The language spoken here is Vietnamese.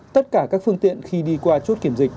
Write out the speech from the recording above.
tất cả các phương tiện khi đi qua chốt kiểm dịch